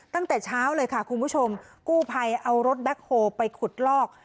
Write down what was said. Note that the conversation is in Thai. ตั้งแต่เช้าเลยค่ะคุณผู้ชมกู้ภัยเอารถแบ็คโฮลไปขุดลอก